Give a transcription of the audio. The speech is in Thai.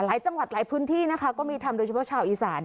หลายจังหวัดหลายพื้นที่นะคะก็มีทำโดยเฉพาะชาวอีสาน